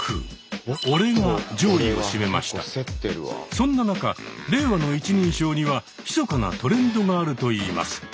そんな中令和の一人称にはひそかなトレンドがあるといいます。